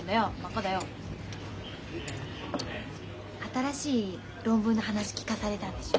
新しい論文の話聞かされたんでしょ。